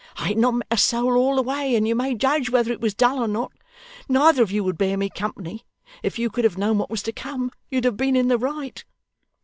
I had not met a soul all the way, and you may judge whether it was dull or not. Neither of you would bear me company. If you could have known what was to come, you'd have been in the right.